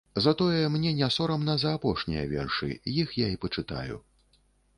Затое мне не сорамна за апошнія вершы, іх я і пачытаю.